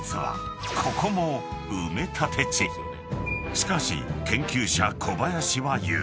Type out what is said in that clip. ［しかし研究者小林は言う。